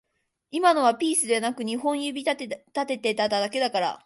今のはピースではなく二本指立てただけだから